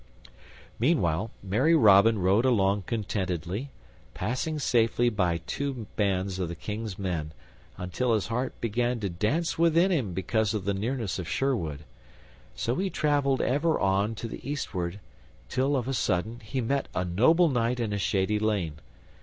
Meanwhile merry Robin rode along contentedly, passing safely by two bands of the King's men, until his heart began to dance within him because of the nearness of Sherwood; so he traveled ever on to the eastward, till, of a sudden, he met a noble knight in a shady lane.